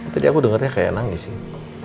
tadi aku dengarnya kayak nangis sih